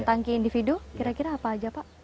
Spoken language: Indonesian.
tangki individu kira kira apa aja pak